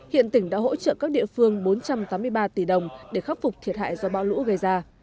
hiện tỉnh đã hỗ trợ các địa phương bốn trăm tám mươi ba tỷ đồng để khắc phục thiệt hại do bão lũ gây ra